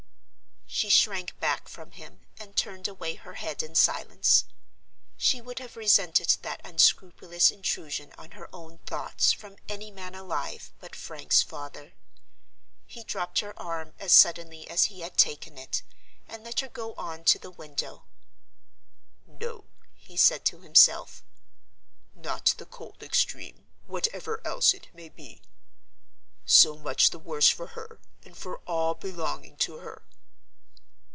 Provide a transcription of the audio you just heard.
She shrank back from him and turned away her head in silence. She would have resented that unscrupulous intrusion on her own thoughts from any man alive but Frank's father. He dropped her arm as suddenly as he had taken it, and let her go on to the window. "No," he said to himself, "not the cold extreme, whatever else it may be. So much the worse for her, and for all belonging to her."